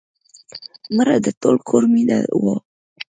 مړه د ټول کور مینه وه